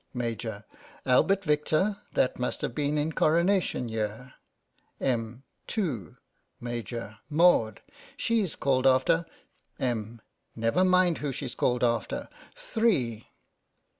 Maj\ : Albert Victor — that must have been in Coronation year. Em. : Two ! Maj. : Maud. She's called after Em. : Never mind who's she's called after. Three